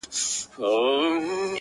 راځه د اوښکو تويول در زده کړم;